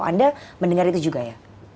anda mendengar itu juga ya